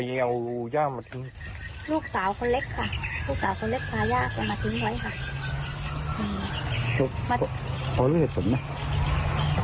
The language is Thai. เอาย่ามาทิ้งลูกสาวคนเล็กค่ะลูกสาวคนเล็กพาย่าก็มาทิ้งไว้ค่ะ